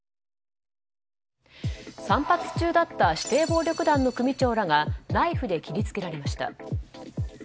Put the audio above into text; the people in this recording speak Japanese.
散髪中だった指定暴力団の組長らがナイフで切り付けられました。